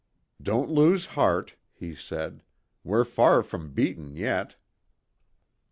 "Don't lose heart," he said. "We're far from beaten yet."